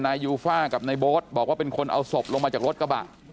นายยูฟ่ากับนายโบ๊ทบอกว่าเป็นคนเอาศพลงมาจากรถกระบะ